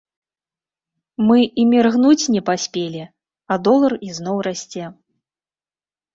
Мы і міргнуць не паспелі, а долар ізноў расце!